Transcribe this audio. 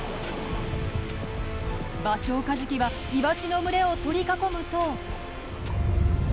バショウカジキはイワシの群れを取り囲むと。